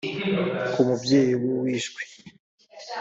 Ku mubyeyi w’uwishwe